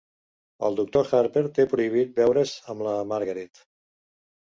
El Doctor Harper té prohibit veure's amb la Margaret.